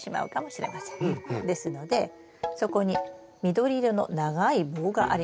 ですのでそこに緑色の長い棒がありますね。